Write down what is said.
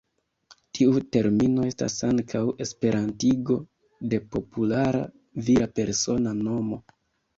Tiu termino estas ankaŭ esperantigo de populara vira persona nomo.